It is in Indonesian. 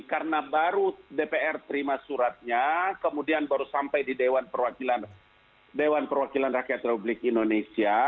karena baru dpr terima suratnya kemudian baru sampai di dewan perwakilan rakyat republik indonesia